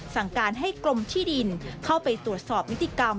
สั่งการให้กรมที่ดินเข้าไปตรวจสอบนิติกรรม